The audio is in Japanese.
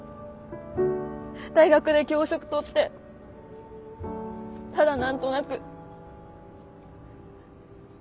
大学で教職とってただ何となく。